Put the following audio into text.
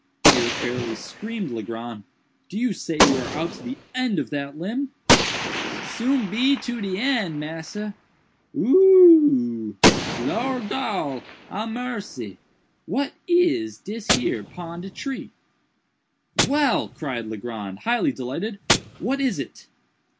_" here fairly screamed Legrand, "do you say you are out to the end of that limb?" "Soon be to de eend, massa,—o o o o oh! Lor gol a marcy! what is dis here pon de tree?" "Well!" cried Legrand, highly delighted, "what is it?"